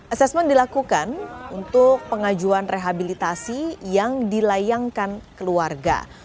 asesmen dilakukan untuk pengajuan rehabilitasi yang dilayangkan keluarga